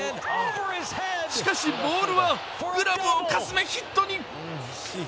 しかし、ボールはグラブをかすめヒットに。